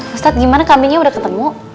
ustadz gimana kambingnya udah ketemu